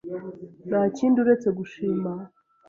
Ntakindi uretse gushima.